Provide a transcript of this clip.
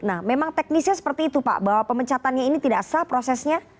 nah memang teknisnya seperti itu pak bahwa pemecatannya ini tidak sah prosesnya